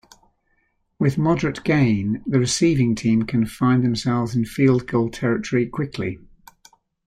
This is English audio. With moderate gain, the receiving team can find themselves in field goal territory quickly.